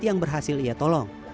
yang berhasil ia tolong